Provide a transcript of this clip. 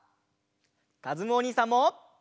かずむおにいさんも！